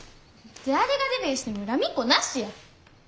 誰がデビューしても恨みっこなしや。